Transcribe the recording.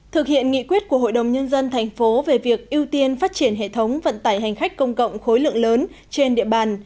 thực hiện nghị quyết của hội đồng nhân dân thành phố về việc ưu tiên phát triển hệ thống vận tải hành khách công cộng khối lượng lớn trên địa bàn